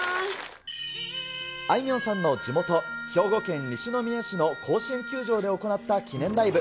あいみょんさんの地元、兵庫県西宮市の甲子園球場で行った記念ライブ。